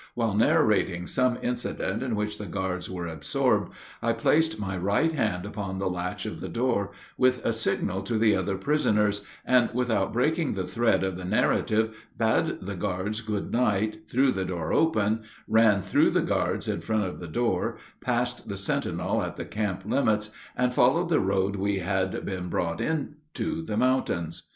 While narrating some incident in which the guards were absorbed, I placed my right hand upon the latch of the door, with a signal to the other prisoners, and, without breaking the thread of the narrative, bade the guards good night, threw the door open, ran through the guards in front of the door, passed the sentinel at the camp limits, and followed the road we had been brought in to the mountains.